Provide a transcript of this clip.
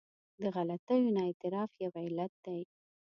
د غلطیو نه اعتراف یو علت دی.